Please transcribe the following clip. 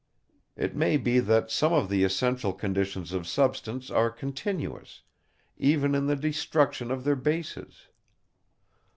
It may be that some of the essential conditions of substance are continuous, even in the destruction of their bases.